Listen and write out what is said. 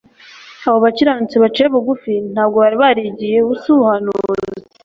Abo bakiranutsi baciye bugufi ntabwo bari barigiye ubusa ubuhanuzi.